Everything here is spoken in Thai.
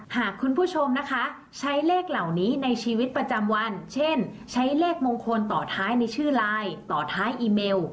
หากคุณผู้ชมนะคะใช้เลขเหล่านี้ในชีวิตประจำวันเช่นใช้เลขมงคลต่อท้ายในชื่อไลน์ต่อท้ายอีเมล